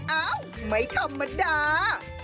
เอ้าไม่ธรรมดา